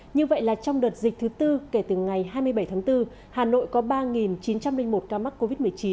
như vậy là trong đợt dịch thứ tư kể từ ngày hai mươi bảy tháng bốn hà nội có ba chín trăm linh một ca mắc covid một mươi chín